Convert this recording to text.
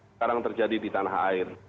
sekarang terjadi di tanah air